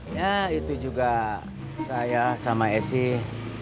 ya itu juga saya sama esi